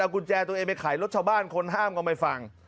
กุญแจตัวเองไปขายรถชาวบ้านคนห้ามก็ไม่ฟัง